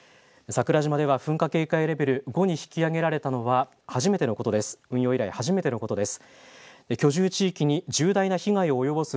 桜島では噴火警戒レベル５に引き上げられたのは初めてのことです。